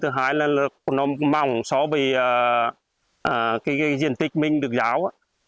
thứ hai là nó mỏng so với diện tích mình được giáo